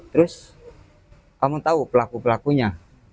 terus kamu tahu pelaku pelakunya